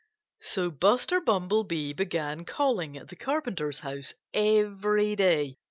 So Buster Bumblebee began calling at the Carpenter's house every day.